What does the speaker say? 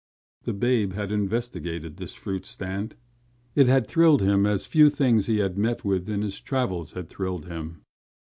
The babe had investigated this fruit stand. It had thrilled him as few things he had met with in his travels had thrilled him.